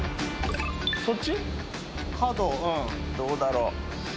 どうだろう？